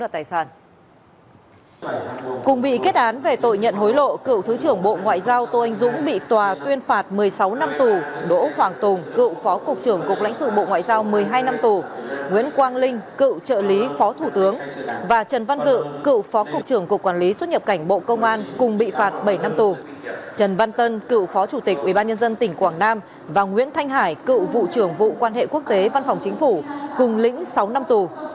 trần văn tân cựu phó chủ tịch ubnd tỉnh quảng nam và nguyễn thanh hải cựu vụ trưởng vụ quan hệ quốc tế văn phòng chính phủ cùng lĩnh sáu năm tù